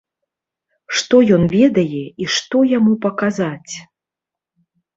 Што ён ведае і што яму паказаць.